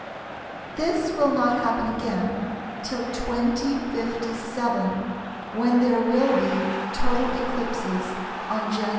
This will not happen again till 2057, when there will be total eclipses on Jan.